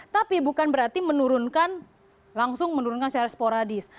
tapi bukan berarti menurunkan langsung menurunkan secara sporadis